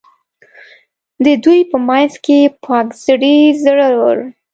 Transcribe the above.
د دوی په منځ کې پاک زړي، زړه ور.